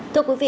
thưa quý vị